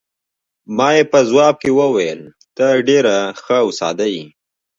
ما یې په ځواب کې وویل: ته ډېره ښه او ساده یې.